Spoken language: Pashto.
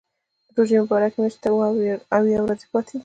د روژې مبارکې میاشتې ته اویا ورځې پاتې دي.